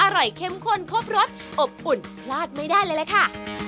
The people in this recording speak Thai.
อร่อยเข้มข้นครบรสอบอุ่นพลาดไม่ได้เลยค่ะ